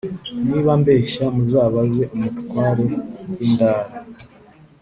niba mbeshya muzabaze umutware w’i ndara